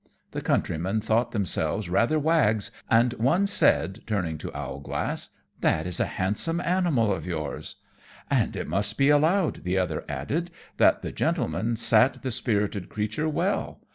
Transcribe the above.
The countrymen thought themselves rather wags, and one said, turning to Owlglass, "That is a handsome animal of yours." "And it must be allowed," the other added, "that the gentleman sat the spirited creature well.